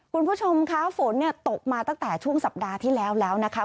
คุณผู้ชมคะฝนเนี่ยตกมาตั้งแต่ช่วงสัปดาห์ที่แล้วแล้วนะคะ